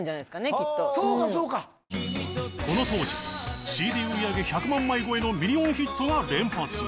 きっとそうかそうかこの当時ＣＤ売り上げ１００万枚超えのミリオンヒットが連発